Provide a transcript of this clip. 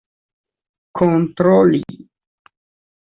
kontroli